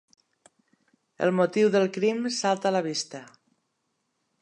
El motiu del crim salta a la vista.